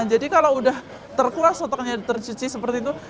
jadi kalau udah terkeluas otaknya tercuci seperti itu